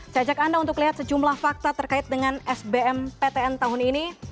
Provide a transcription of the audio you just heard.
saya ajak anda untuk lihat sejumlah fakta terkait dengan sbm ptn tahun ini